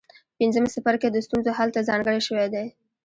پنځم څپرکی د ستونزو حل ته ځانګړی شوی دی.